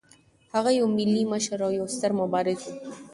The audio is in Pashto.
هغه یو ملي مشر او یو ستر مبارز و.